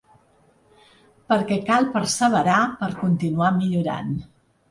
Perquè cal perseverar per continuar millorant.